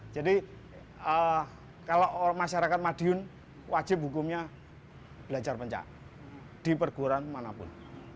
jadi kalau masyarakat madiun wajib hukumnya belajar pencaksilatasi di perguruan manapun